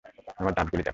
আমার দাঁতগুলো দেখো।